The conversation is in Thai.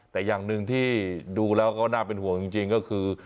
แต่อย่างหนึ่งที่ดูแล้วก็น่าเป็นห่วงจริงก็คือ